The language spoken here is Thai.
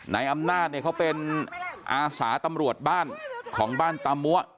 นายอำนาจเนี่ยเขาเป็นอาสาตำรวจบ้านของบ้านตามัว